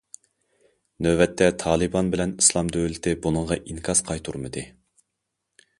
نۆۋەتتە، تالىبان بىلەن ئىسلام دۆلىتى بۇنىڭغا ئىنكاس قايتۇرمىدى.